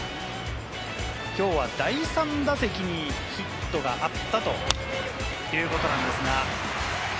きょうは第３打席にヒットがあったということなんですが。